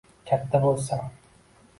Katta bo‘lsam…